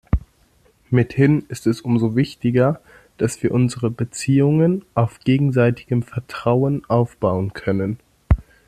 Mithin ist es umso wichtiger, dass wir unsere Beziehungen auf gegenseitigem Vertrauen aufbauen können.